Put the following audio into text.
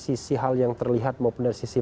sisi hal yang terlihat maupun dari sisi